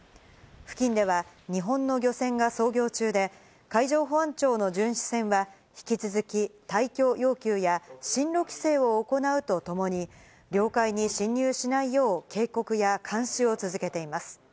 付近では、日本の漁船が操業中で、海上保安庁の巡視船は、引き続き、退去要求や進路規制を行うとともに、領海に侵入しないよう、警告や監視を続けています。